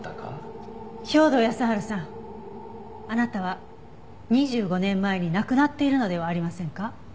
兵働耕春さんあなたは２５年前に亡くなっているのではありませんか？